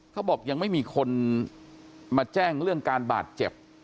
เขาบอกยังไม่มีคนมาแจ้งเรื่องการบาดเจ็บ